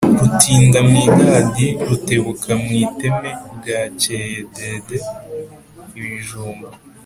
Rutinda mu idadi rutebuka mu iteme bwakeye Dede !-Ibijumba.